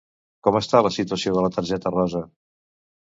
Com està la situació de la targeta rosa?